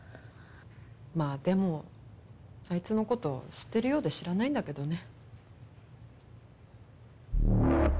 まあでもあいつの事知ってるようで知らないんだけどね。